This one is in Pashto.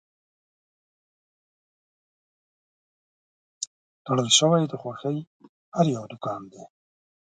تړل شوی د خوښۍ هر یو دوکان دی